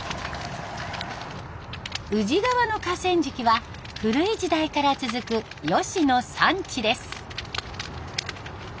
宇治川の河川敷は古い時代から続くヨシの産地です。